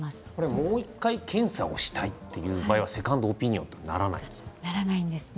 もう１回、検査をしたいという場合はセカンドオピニオンにはならないんですか？